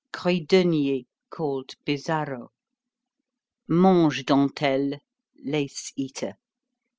Kruideniers, called Bizarro. Mangedentelle. (Lace eater.)